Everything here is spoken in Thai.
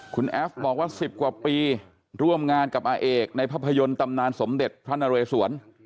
คุณแอฟบอกว่า๑๐กว่าปีร่วมงานกับอาเอกในภาพยนตร์ตำนานสมเด็จพระนเรสวน